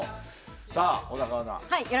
さあ、小高アナ。